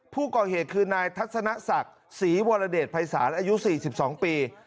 ผู้ก่อเหตุคือนายทัศนะศักดิ์ศรีวรเดชภัยศาสตร์อายุสี่สิบสองปี